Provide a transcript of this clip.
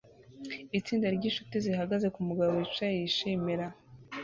Itsinda ryinshuti zihagaze kumugabo wicaye yishimira